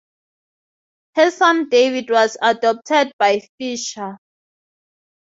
Her son David was adopted by Fischer.